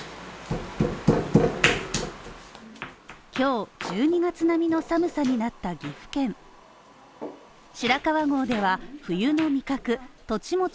今日、１２月並みの寒さになった岐阜県白川郷では冬の味覚とち